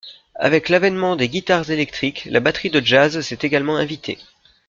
Avec l'avènement des guitares électriques, la batterie de jazz s'est également invitée.